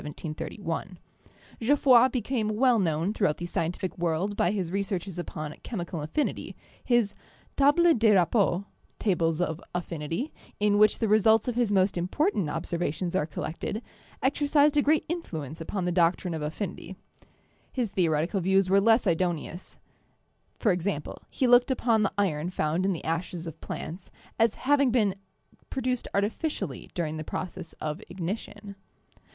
Geoff roy became well known throughout the scientific world by his researches upon chemical affinity; his Tables des Rapports' (tables of affinity), in which the results of his most important observations are collected, exercized a great influence upon the doctrine of affinity. His theo retical views were less idoneous — e.g., he looked upon the iron found in the ashes of plants as having been pro duced artificially during the process of ignition.